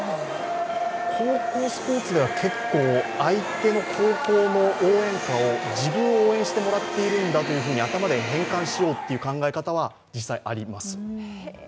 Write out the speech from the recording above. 高校スポーツでは結構、相手の高校の応援歌を自分を応援してもらっているんだと頭で変換しようという考え方も実際、あります。